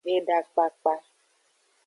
Eda kpakpa.